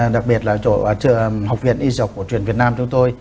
đặc biệt là trường học viện y học của truyền việt nam chúng tôi